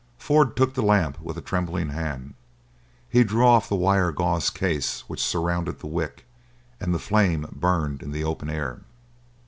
Ford took the lamp with a trembling hand. He drew off the wire gauze case which surrounded the wick, and the flame burned in the open air.